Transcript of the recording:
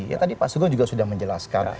ya tadi pak sugeng juga sudah menjelaskan